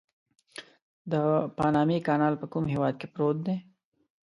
د پانامي کانال په کوم هېواد کې پروت دی؟